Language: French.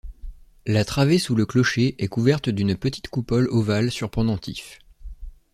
La travée sous le clocher est couverte d'une petite coupole ovale sur pendentifs.